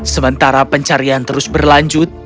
sementara pencarian terus berlanjut